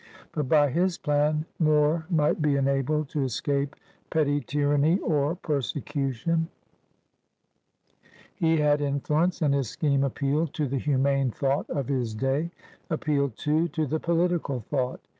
But by his plan moi^ mighi be enabled to escape petty tyranny or persecution. 238 PIONEERS OF THE OLD SOUTH He had influence, and his scheme appealed to the humane thought of his day — appealed, too, to the political thought.